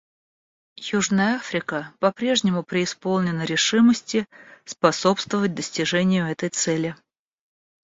Южная Африка по-прежнему преисполнена решимости способствовать достижению этой цели.